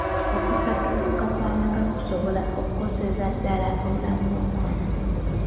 Okusattulukuka kw'amaka kusobola okukoseza ddala obulamu bw'abaana.